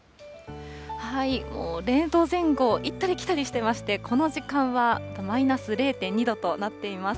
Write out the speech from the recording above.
０度前後を行ったり来たりしていまして、この時間はマイナス０．２度となっています。